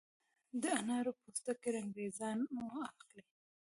د انارو پوستکي رنګریزان اخلي؟